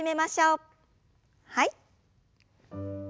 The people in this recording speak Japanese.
はい。